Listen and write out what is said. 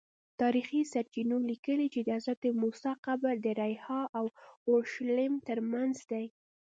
تاریخي سرچینو لیکلي چې د حضرت موسی قبر د ریحا او اورشلیم ترمنځ دی.